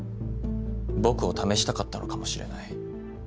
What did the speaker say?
僕を試したかったのかもしれない。